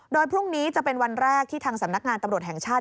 โดยพรุ่งนี้จะเป็นวันแรกที่ทางสำนักงานตำรวจแห่งชาติ